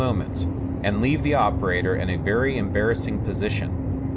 moment, and leave the operator in a very embarrassing position.